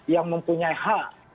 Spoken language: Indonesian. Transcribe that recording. yang mempunyai hak